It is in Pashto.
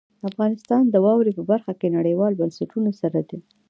افغانستان د واورې په برخه کې نړیوالو بنسټونو سره دی.